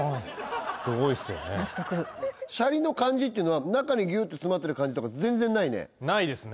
すごいっすよね納得シャリの感じっていうのは中にギュっと詰まってる感じとか全然ないねないですね